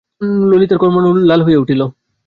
ললিতার কর্ণমূল লাল হইয়া উঠিল।